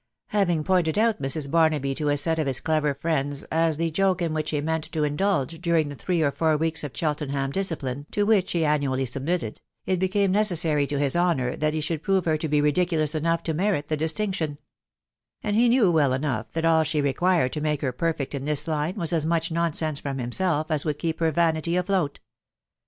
Having pointed out Mrs. Barnaby to a set of his clever friends as the joke in which he meant to indulge during the three or four weeks of Cheltenham discipline to which he an nually submitted, it became necessary to his honour that he should prove her to be ridiculous enough to merit the distinc tion ; and he knew well enough that all she required to make her perfect in this line was as much nonsense from himself as would keep her vanity afloat.